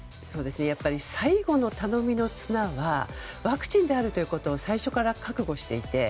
やっぱり最後の頼みの綱はワクチンであるということを最初から覚悟していて。